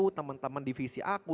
banyak dibantu teman teman divisi aku